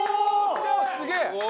すげえ！